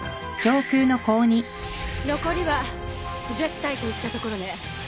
残りは１０体といったところね。